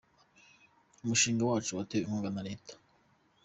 Umushinga wacu watewe inkunga na leta.